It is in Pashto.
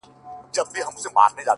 سم پسرلى ترې جوړ سي ـ